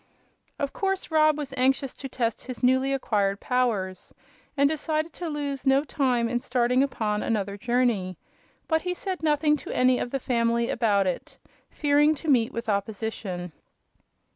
Of course Rob was anxious to test his newly acquired powers, and decided to lose no time in starting upon another journey. But he said nothing to any of the family about it, fearing to meet with opposition.